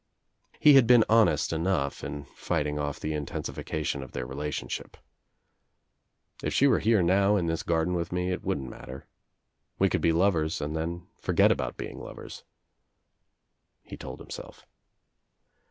He had been honest enough in fighting off the in tensification of their relationship. "If she were here now, in this garden with me, it wouldn't matter. We could be lovers and then forget about being lovers," he told himself.